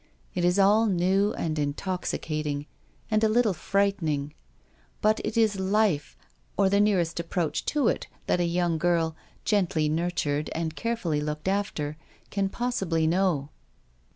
It is all new and intoxicating, and a little frighten ing ; but it is life, or the nearest approach to it that a young girl, gently nurtured and carefully looked after, can know.